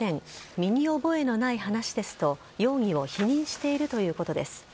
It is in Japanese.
身に覚えのない話ですと容疑を否認しているということです。